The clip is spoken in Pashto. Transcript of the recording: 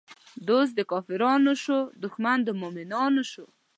دوست د کافرانو شو، دښمن د مومنانو شو